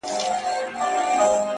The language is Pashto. ستا خنداگاني مي ساتلي دي کرياب وخت ته-